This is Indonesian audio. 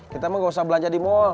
kita mah gak usah belanja di mall